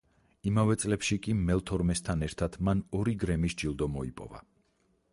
იმავე წლებში კი მელ თორმესთან ერთად მან ორი გრემის ჯილდო მოიპოვა.